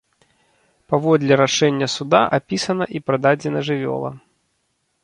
Паводле рашэння суда апісана і прададзена жывёла.